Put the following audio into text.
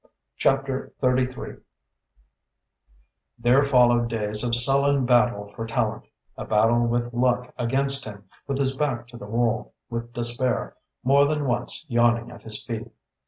CHAPTER XIX There followed days of sullen battle for Tallente, a battle with luck against him, with his back to the wall, with despair more than once yawning at his feet.